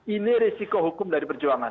ini risiko hukum dari perjuangan